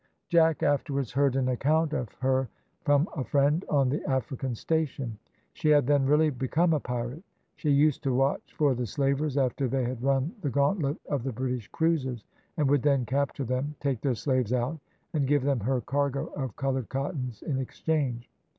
Jack afterwards heard an account of her from a friend on the African station. She had then really become a pirate. She used to watch for the slavers after they had run the gauntlet of the British cruisers, and would then capture them, take their slaves out, and give them her cargo of coloured cottons in exchange.